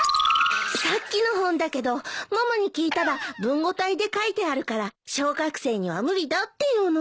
さっきの本だけどママに聞いたら文語体で書いてあるから小学生には無理だって言うの。